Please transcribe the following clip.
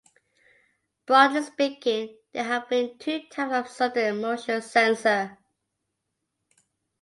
Broadly speaking, there have been two types of Sudden Motion Sensor.